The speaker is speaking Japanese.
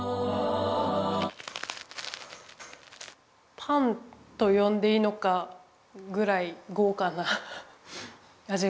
パンと呼んでいいのかぐらい豪華な味がします。